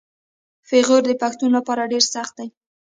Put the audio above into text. پېغور د پښتون لپاره ډیر سخت دی.